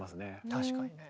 確かにね。